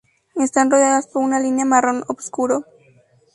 Están rodeadas por una línea marrón oscuro.